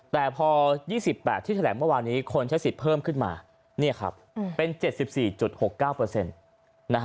แต่พอ๒๘ที่แถลงเมื่อวานนี้คนใช้สิทธิ์เพิ่มขึ้นมาเป็น๗๔๖๙